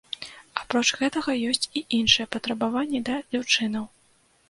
Апроч гэтага ёсць і іншыя патрабаванні да дзяўчынаў.